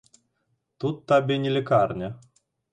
Тут табе не лякарня.